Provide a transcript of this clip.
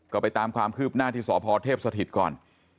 ก็ไปตามความคืบหน้าที่สพเทพสถิตก่อน